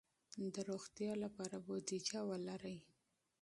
د روغتیا لپاره بودیجه ولرئ.